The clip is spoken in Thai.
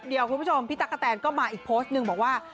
เดี๋ยวคุณผู้ชมพี่ตั๊กกะแตนก็มาอีกโพสต์หนึ่งบอกว่า